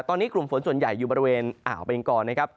ตอนนี้กลุ่มฝนส่วนใหญ่อยู่บริเวณอ่าวเบงกรนะครับ